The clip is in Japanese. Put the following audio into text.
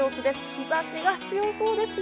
日差しが強そうですね。